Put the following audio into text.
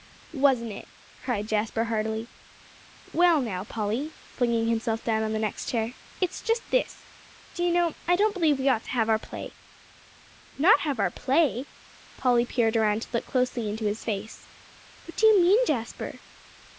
"Wasn't it?" cried Jasper heartily. "Well, now, Polly," flinging himself down on the next chair, "it's just this. Do you know, I don't believe we ought to have our play." "Not have our play?" Polly peered around to look closely into his face. "What do you mean, Jasper?"